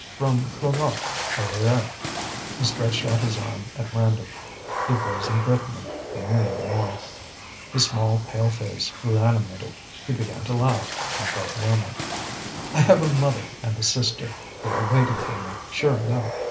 "From Plogof, over there." He stretched out his arm at random. It was in Brittany, he knew no more. His small pale face grew animated. He began to laugh, and felt warmer. "I have a mother and a sister. They are waiting for me, sure enough.